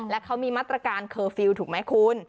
และเขามีมาตรการเคอร์ฟิลล์ถูกไหมคุณ